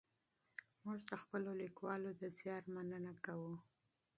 موږ د خپلو لیکوالو د زیار مننه کوو.